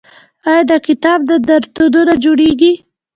آیا د کتاب نندارتونونه جوړیږي؟